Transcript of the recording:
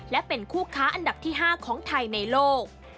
และเป็นคู่ค้าอันดับที่๕ของไทยในโลก